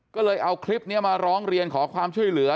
ก็เลยเอาคลิปนี้มาร้องเรียนขอความช่วยเหลือ